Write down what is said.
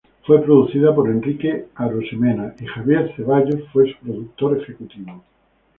Fue producida por Enrique Arosemena y Javier Ceballos fue su productor ejecutivo.